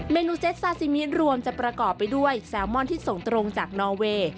เนูเซ็ตซาซิมิรวมจะประกอบไปด้วยแซลมอนที่ส่งตรงจากนอเวย์